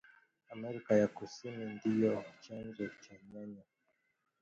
Amerika ya Kusini ndio chanzo cha nyanya